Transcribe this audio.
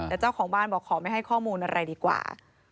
แต่เจ้าของบ้านบอกขอไม่ให้ข้อมูลอะไรดีกว่า